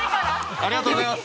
◆ありがとうございます！